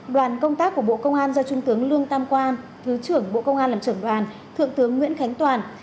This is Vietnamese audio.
đoàn công tác của bộ công an do trung tướng lương tam quang thứ trưởng bộ công an làm trưởng đoàn thượng tướng nguyễn khánh toàn